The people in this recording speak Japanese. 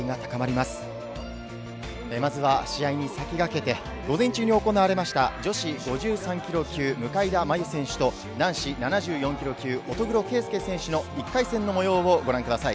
まずは試合に先駆けて午前中に行われた女子５３ｋｇ級、向田真優選手と男子７４ｋｇ級、乙黒圭祐選手の１回戦の模様をご覧ください。